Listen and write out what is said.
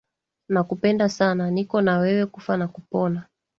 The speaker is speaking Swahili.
Nakupenda sana niko na wewe kufa na kupona